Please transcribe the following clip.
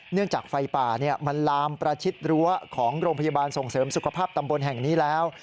จากไฟป่ามันลามประชิดรั้วของโรงพยาบาลส่งเสริมสุขภาพตำบลแห่งนี้แล้ว